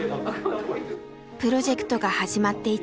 プロジェクトが始まって１年。